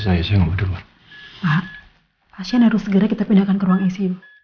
bu andien masih dalam masa kritis